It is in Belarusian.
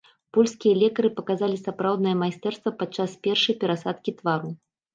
Польскія лекары паказалі сапраўднае майстэрства падчас першай перасадкі твару.